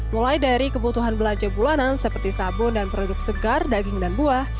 mulai dari kebutuhan belanja bulanan seperti sabun dan produk segar daging dan buah